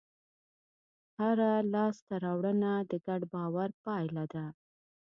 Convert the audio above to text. هره لاستهراوړنه د ګډ باور پایله ده.